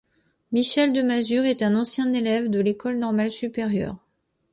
Michel Demazure est un ancien élève de l'École normale supérieure.